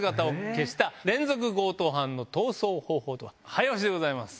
早押しでございます。